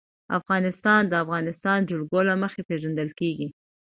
افغانستان د د افغانستان جلکو له مخې پېژندل کېږي.